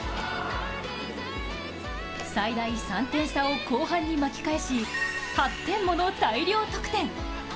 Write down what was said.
最大３点差を後半に巻き返し８点もの大量得点。